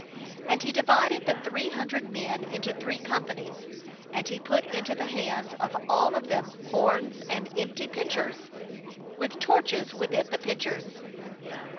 16And he divided the three hundred men into three companies, and he put into the hands of all of them horns, and empty pitchers, with torches within the pitchers.